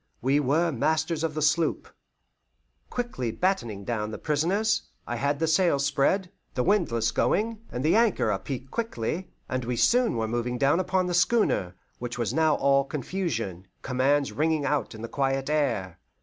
We were masters of the sloop. Quickly battening down the prisoners, I had the sails spread, the windlass going, and the anchor apeak quickly, and we soon were moving down upon the schooner, which was now all confusion, commands ringing out on the quiet air.